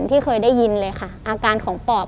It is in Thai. ที่เคยได้ยินเลยค่ะอาการของปอด